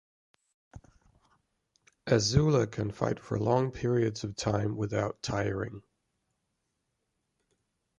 Azula can fight for long periods of time without tiring.